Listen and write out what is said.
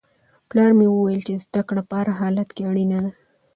پلار مې وویل چې زده کړه په هر حالت کې اړینه ده.